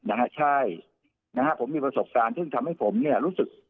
นะฮะใช่นะฮะผมมีประสบการณ์ซึ่งทำให้ผมเนี่ยรู้สึก